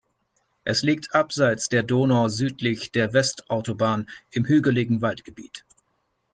Es liegt abseits der Donau südlich der Westautobahn im hügeligen Waldgebiet.